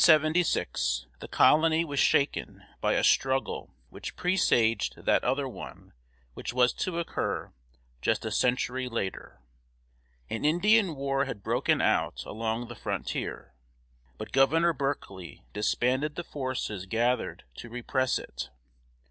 In 1676 the colony was shaken by a struggle which presaged that other one which was to occur just a century later. An Indian war had broken out along the frontier, but Governor Berkeley disbanded the forces gathered to repress it.